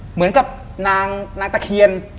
เหมือนกับนางตะเคียน